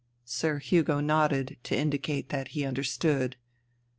—" Sir Hugo nodded to indicate that he understood.